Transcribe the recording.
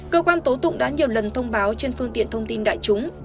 cơ quan tố tụng đã nhiều lần thông báo trên phương tiện thông tin đại chúng